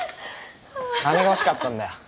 金が欲しかったんだよ。